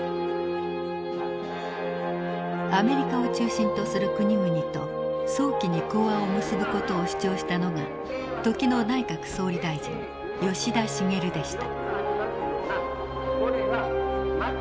アメリカを中心とする国々と早期に講和を結ぶ事を主張したのが時の内閣総理大臣吉田茂でした。